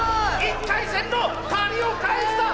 １回戦の借りを返した！